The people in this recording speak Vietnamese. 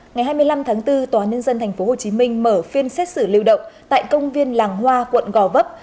ngày hai mươi năm tháng bốn tòa nhân dân tp hcm mở phiên xét xử lưu động tại công viên làng hoa quận gò vấp